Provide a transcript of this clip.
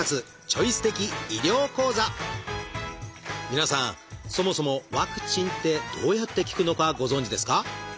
皆さんそもそもワクチンってどうやって効くのかご存じですか？